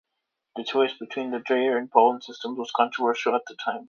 The choice between the Dreyer and Pollen systems was controversial at the time.